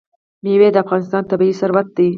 مېوې د افغانستان طبعي ثروت دی.